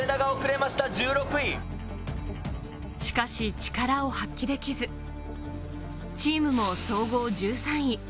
しかし、力を発揮できず、チームも総合１３位。